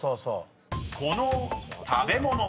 ［この食べ物］